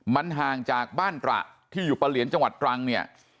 มันห่างจากบ้านตระที่อยู่ปะเหลียนจังหวัดตรังเนี่ย